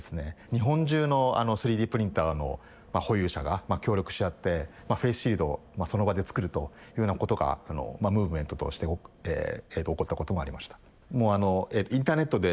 日本中の３Ｄプリンターの保有者が協力し合ってフェイスシールドをその場で作るというようなことがムーブメントとして起こったこともありました。